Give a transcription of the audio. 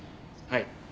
はい。